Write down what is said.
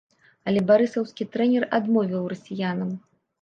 Але барысаўскі трэнер адмовіў расіянам.